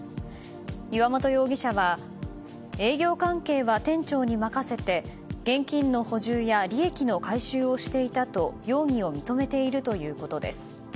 岩本容疑者は営業関係は店長に任せて現金の補充や利益の回収をしていたと容疑を認めているということです。